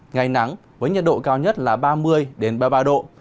ngày nắng với nhiệt độ cao nhất là ba mươi ba mươi ba độ